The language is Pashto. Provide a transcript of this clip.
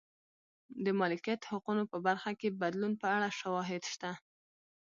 د مالکیت حقونو په برخه کې بدلون په اړه شواهد شته.